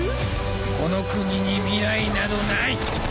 この国に未来などない！